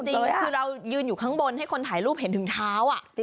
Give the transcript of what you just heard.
จริงคือเรายืนอยู่ข้างบนให้คนถ่ายรูปเห็นถึงเท้า